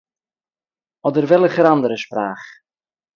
אָדער וועלכער אַנדערער שפּראַך